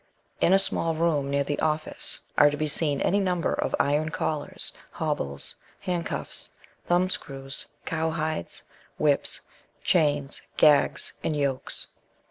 In a small room near the "office" are to be seen any number of iron collars, hobbles, handcuffs, thumbscrews, cowhides, whips, chains, gags, and yokes.